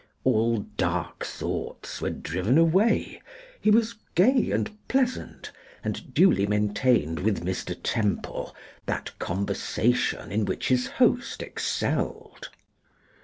All dark thoughts were driven away. He was gay and pleasant, and duly maintained with Mr. Temple that conversation in which his host excelled.